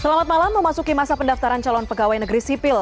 selamat malam memasuki masa pendaftaran calon pegawai negeri sipil